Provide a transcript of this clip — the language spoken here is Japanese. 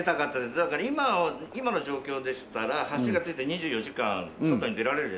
だから今今の状況でしたら橋がついて２４時間外に出られるじゃないですか。